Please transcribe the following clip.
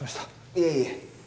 いえいえ